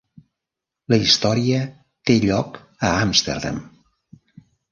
La història té lloc a Amsterdam.